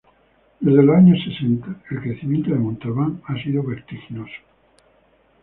Desde los años sesenta el crecimiento de Montalbán ha sido vertiginoso.